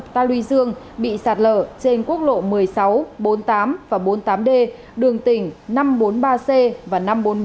ta luy dương bị sạt lở trên quốc lộ một mươi sáu bốn mươi tám và bốn mươi tám d đường tỉnh năm trăm bốn mươi ba c và năm trăm bốn mươi một